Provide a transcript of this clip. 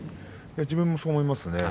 自分も、そう思いますね。